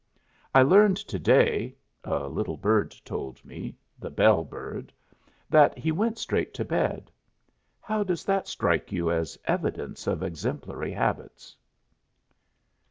I learned to day (a little bird told me the bell bird) that he went straight to bed. How does that strike you as evidence of exemplary habits?